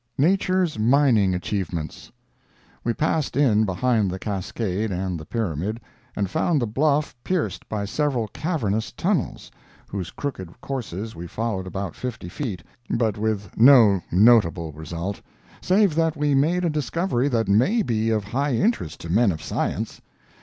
NATURE'S MINING ACHIEVEMENTS We passed in behind the cascade and the pyramid, and found the bluff pierced by several cavernous tunnels, whose crooked courses we followed about fifty feet, but with no notable result, save that we made a discovery that may be of high interest to men of science.